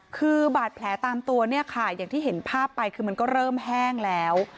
คือบาดแผลตามตัวเนี่ยค่ะอย่างที่เห็นภาพไปคือมันก็เริ่มแห้งแล้ว